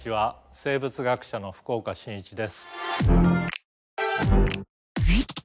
生物学者の福岡伸一です。